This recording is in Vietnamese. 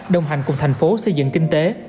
đồng hành cùng thành phố xây dựng kinh tế